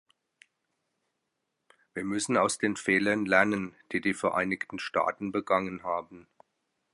Wir müssen aus den Fehlern lernen, die die Vereinigten Staaten begangen haben.